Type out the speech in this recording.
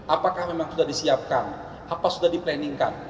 apakah memang sudah disiapkan apa sudah diplaningkan